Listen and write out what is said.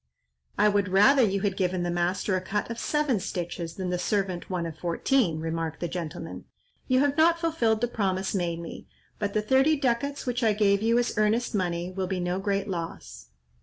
"I would rather you had given the master a cut of seven stitches than the servant one of fourteen," remarked the gentleman. "You have not fulfilled the promise made me, but the thirty ducats which I gave you as earnest money, will be no great loss."